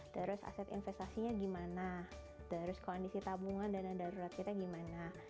terus aset investasinya gimana terus kondisi tabungan dana darurat kita gimana